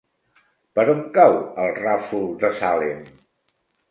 Per on cau el Ràfol de Salem?